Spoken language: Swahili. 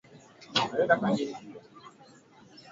washiriki wa timu ya uokoaji walitoroka